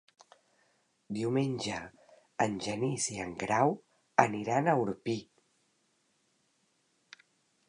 Diumenge en Genís i en Grau aniran a Orpí.